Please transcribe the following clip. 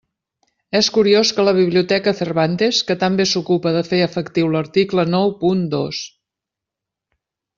És curiós que la Biblioteca Cervantes, que tan bé s'ocupa de fer efectiu l'article nou punt dos.